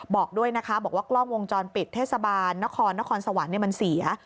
บอกด้วยนะคะบอกว่ากล้องวงจรปิดเทศบาลนครนครสวรรค์มันเสีย